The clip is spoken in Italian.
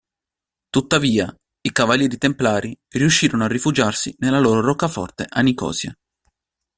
Tuttavia, i Cavalieri Templari riuscirono a rifugiarsi nella loro roccaforte a Nicosia.